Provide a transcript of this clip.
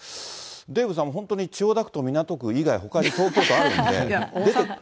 デーブさん、本当に千代田区と港区以外にもほかに東京都あるんで。